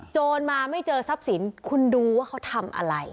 โจรมาไม่เจอทรัพย์สินคุณดูว่าเขาทำอะไร